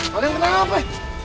kau yang kenapa